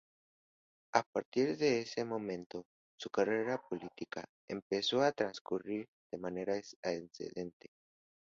A partir de ese momento, su carrera política empezó a transcurrir de manera ascendente.